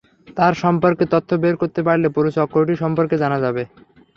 তাঁর সম্পর্কে তথ্য বের করতে পারলে পুরো চক্রটি সম্পর্কে জানা যাবে।